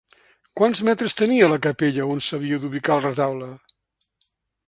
Quants metres tenia la capella on s'havia d'ubicar el retaule?